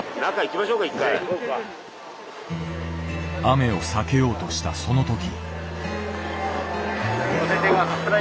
雨を避けようとしたその時。